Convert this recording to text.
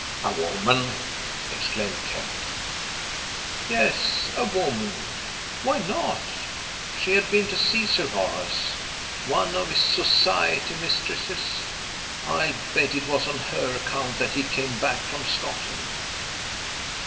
"A woman!" exclaimed Kemp. "Yes, a woman. Why not? She had been to see Sir Horace. One of his Society mistresses. I'll bet it was on her account that he came back from Scotland."